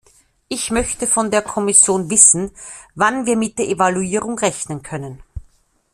Ich möchte von der Kommission wissen, wann wir mit der Evaluierung rechnen können.